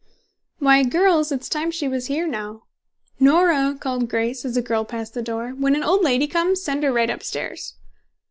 "Why, girls, it's time she was here now!" "Nora," called Grace, as a girl passed the door, "when an old lady comes, send her right up stairs."